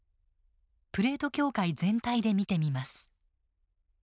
プレート境界全体で見てみます。